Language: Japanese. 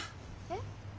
えっ？